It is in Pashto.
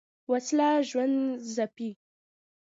وسله ژوند ځپي